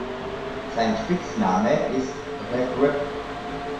Sein Spitzname ist „The Grip“.